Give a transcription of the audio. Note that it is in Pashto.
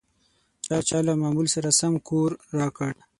پاچا له معمول سره سم کور راکړ.